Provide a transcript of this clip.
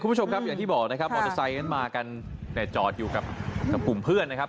คุณผู้ชมครับอย่างที่บอกนะครับมอเตอร์ไซค์นั้นมากันแต่จอดอยู่กับกลุ่มเพื่อนนะครับ